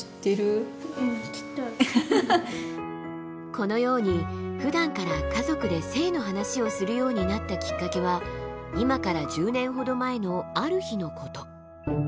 このようにふだんから家族で性の話をするようになったきっかけは今から１０年ほど前のある日のこと。